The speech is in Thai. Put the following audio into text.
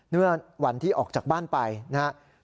เมื่อวันที่ออกจากบ้านไปนะครับ